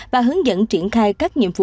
và hướng dẫn triển khai các nhiệm vụ